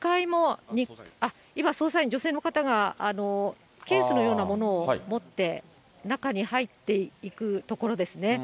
今、捜査員、女性の方がケースのようなものを持って、中に入っていくところですね。